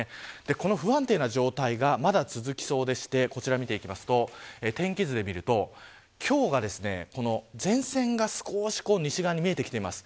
この不安定な状態がまだ続きそうで天気図で見ると今日は前線が少し西側に見えてきています。